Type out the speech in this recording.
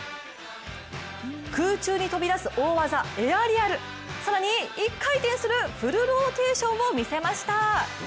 空中に飛び出す大技エアリアル、更に１回転するフルローテーションを見せました。